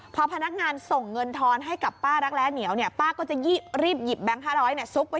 พอพนักงานส่งเงินทอนให้กับป้ารักแร้เหนียวเนี่ยป้าก็จะรีบหยิบแบงค์๕๐๐ซุกไป